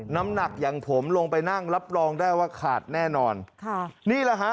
น้ำหนักอย่างผมลงไปนั่งรับรองได้ว่าขาดแน่นอนค่ะนี่แหละฮะ